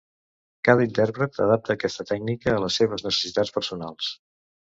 Cada intèrpret adapta aquesta tècnica a les seves necessitats personals.